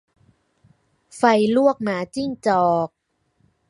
ไฟลวกหมาจิ้งจอก